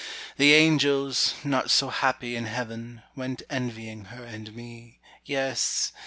The angels, not so happy in heaven, Went envying her and me. Yes!